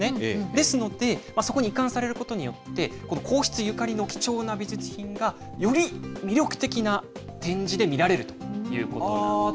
ですので、そこに移管されることによって、この皇室ゆかりの貴重な美術品が、より魅力的な展示で見られるということなんです。